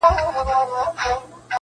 خدای دي نه کړي څوک عادت په بدي چاري-